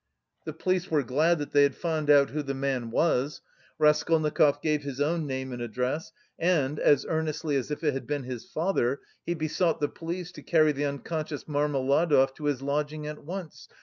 The police were glad that they had found out who the man was. Raskolnikov gave his own name and address, and, as earnestly as if it had been his father, he besought the police to carry the unconscious Marmeladov to his lodging at once.